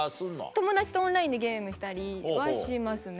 友達とオンラインでゲームしたりはしますね。